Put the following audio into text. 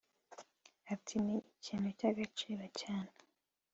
ati “Ni ikintu cy’agaciro cyane